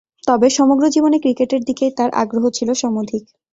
তবে, সমগ্র জীবনে ক্রিকেটের দিকেই তার আগ্রহ ছিল সমধিক।